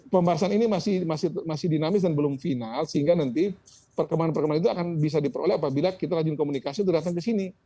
pembahasan ini masih dinamis dan belum final sehingga nanti perkembangan perkembangan itu akan bisa diperoleh apabila kita rajin komunikasi untuk datang ke sini